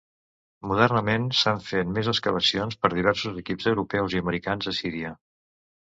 Modernament s'han fet més excavacions per diversos equips europeus i americans a Síria.